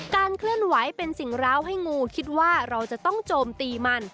เคลื่อนไหวเป็นสิ่งร้าวให้งูคิดว่าเราจะต้องโจมตีมัน